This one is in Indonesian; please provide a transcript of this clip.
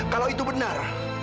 kalau itu benar